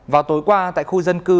vào tối qua tại khu dân cư